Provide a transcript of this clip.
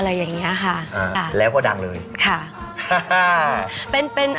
ฮักเรื่องรุนแรงเขาเรียกว่าฮักจงโปง